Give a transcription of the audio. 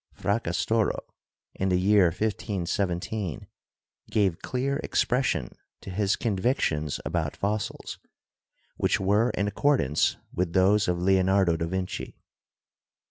Fracastoro, in the year 15 17, gave clear expression to his convictions about fossils, which were in accordance with those of Leonardo da Vinci.